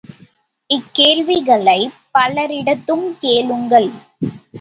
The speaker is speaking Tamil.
இக்கேள்விகளைப் பலரிடத்தும் கேளுங்கள்.